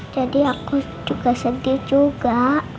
jadi aku juga sedih juga